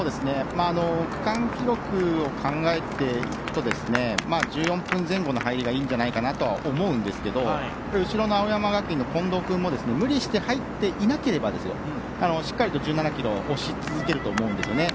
区間記録を考えていくと１４分前後の入りがいいんじゃないかなと思うんですが後ろの青山学院の近藤君も無理して入っていなければしっかりと１７ｋｍ押し続けると思うんですよね。